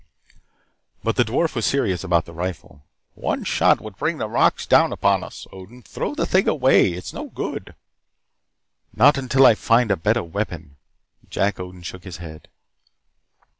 But the dwarf was serious about the rifle. "One shot would bring the rocks down upon us, Odin. Throw the thing away. It's no good." "Not until I find a better weapon." Jack Odin shook his head.